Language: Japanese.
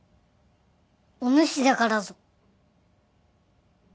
おぬしだからぞ。